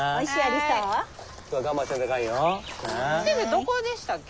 どこでしたっけ？